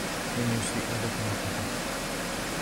لن يسيء لكما أحد.